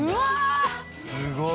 すごい！